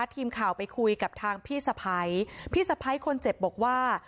ทีมข่าวไปคุยกับทางพี่สะพ้ายพี่สะพ้ายคนเจ็บบอกว่า